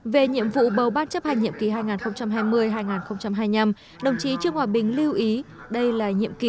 về nhiệm vụ bầu ban chấp hành nhiệm kỳ hai nghìn hai mươi hai nghìn hai mươi năm đồng chí trương hòa bình lưu ý đây là nhiệm kỳ